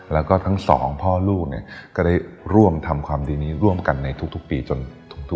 แล้วก็ทั้งสองพ่อลูกเนี่ยก็ได้ร่วมทำความดีนี้ร่วมกันในทุกปีจนถูกต้อง